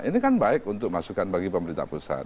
ini kan baik untuk masukan bagi pemerintah pusat